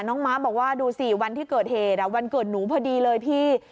ม้าบอกว่าดูสิวันที่เกิดเหตุวันเกิดหนูพอดีเลยพี่